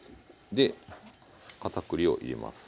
かたくりを入れます。